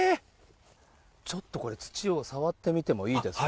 ちょっとこれ、土を触ってみてもいいですか？